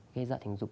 gây sợ tình dục